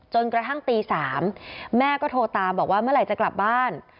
จนกระทั่งตี๓แม่ก็โทรตามบอกว่าเมื่อไหร่จะกลับบ้าน